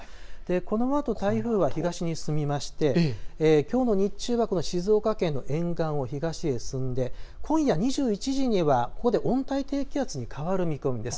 このあと台風は東に進みましてきょうの日中は静岡県の沿岸を東へ進んで今夜２１時にはここで温帯低気圧に変わる見込みです。